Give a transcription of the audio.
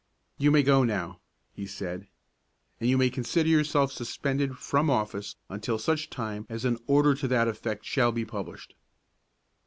"You may go now," he said. "And you may consider yourself suspended from office until such time as an order to that effect shall be published."